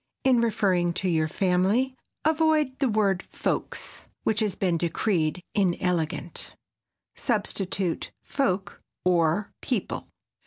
In referring to your family avoid the word "folks" which has been decreed inelegant. Substitute "folk" or "people."